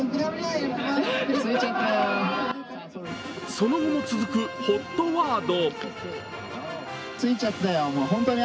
その後も続くＨＯＴワード。